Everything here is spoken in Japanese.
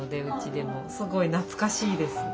すごい懐かしいです。